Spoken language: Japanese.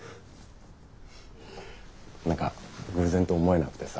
何か偶然と思えなくてさ。